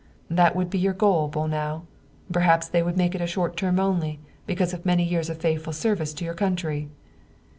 " That would be your goal, Bolnau. Perhaps they would make it a short term only, because of many years of faithful service to your country